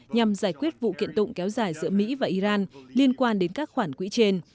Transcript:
nhằm giải quyết vụ kiện tụng kéo dài giữa mỹ và iran liên quan đến các khoản quỹ trên